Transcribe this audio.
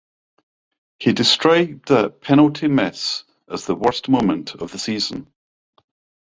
He described that penalty miss as his worst moment of the season.